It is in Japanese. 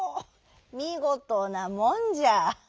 みごとなもんじゃ」。